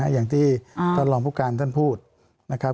อย่างที่ท่านรองพุทธการพูดนะครับ